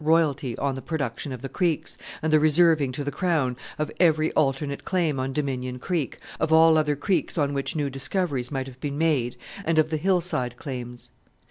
royalty on the production of the creeks, and the reserving to the Crown of every alternate claim on Dominion Creek, of all other creeks on which new discoveries might have been made, and of the hillside claims.